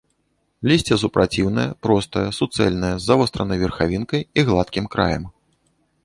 Лісце супраціўнае, простае, суцэльнае, з завостранай верхавінкай і гладкім краем.